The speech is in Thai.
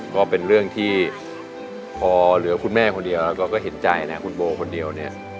ก็เป็นเรื่องที่พอเหลือคุณแม่คนเดียวแล้วก็เห็นใจนะคุณโบคนเดียวเนี่ย